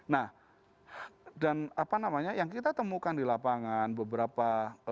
nah dan apa namanya yang kita temukan di lapangan beberapa